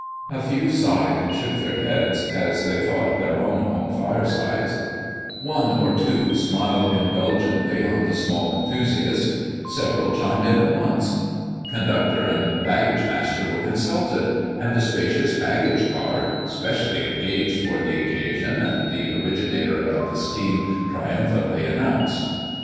A few sighed and shook their heads, as they thought of their own home firesides; one or two smiled indulgently on the small enthusiast; several chimed in at once. Conductor and baggage master were consulted, and the spacious baggage car "specially engaged for the occasion," the originator of the scheme triumphantly announced.